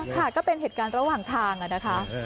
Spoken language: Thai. ก็เป็นเหตุการณ์ระหว่างทางนะคะ